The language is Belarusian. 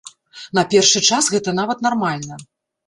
На першы час гэта нават нармальна.